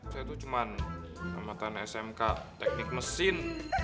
saya itu cuma hambatan smk teknik mesin